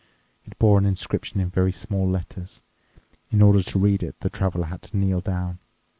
It bore an inscription in very small letters. In order to read it the Traveler had to kneel down.